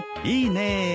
いいね。